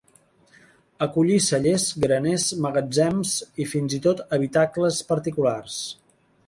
Acollí cellers, graners, magatzems i fins i tot habitacles particulars.